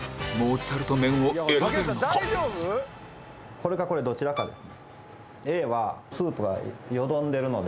これかこれどちらかです。